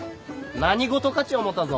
何事かち思うたぞ。